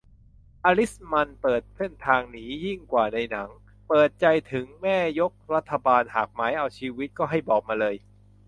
อริสมันต์เปิดเส้นทางหนียิ่งกว่าในหนัง เปิดใจถึงแม่ยกรัฐบาลหากหมายเอาชีวิตก็ให้บอกมาเลย